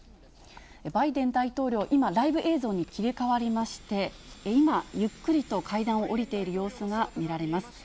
バイデン大統領、今、ライブ映像に切り替わりまして、今、ゆっくりと階段を下りている様子が見られます。